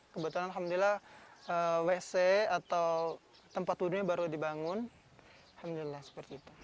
kebetulan alhamdulillah wc atau tempat duduknya baru dibangun alhamdulillah seperti itu